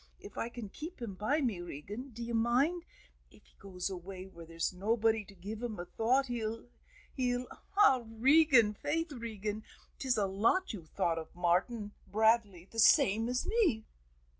If I can keep him by me, Regan, d'ye mind? If he goes away where there's nobody to give him a thought he'll he'll ah, Regan, faith, Regan, 'tis a lot you've thought of Martin Bradley the same as me."